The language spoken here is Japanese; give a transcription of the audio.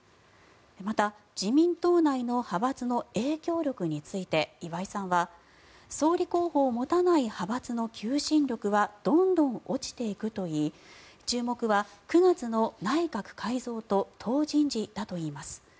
また、自民党内の派閥の影響力について、岩井さんは総理候補を持たない派閥の求心力はどんどん落ちていくといい注目は９月の内閣改造と党人事だといいます。